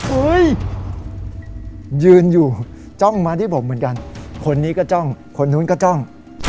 เฮ้ยยืนอยู่จ้องมาที่ผมเหมือนกันคนนี้ก็จ้องคนนู้นก็จ้อง